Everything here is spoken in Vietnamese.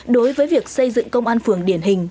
đối với việc xây dựng công an phường điển hình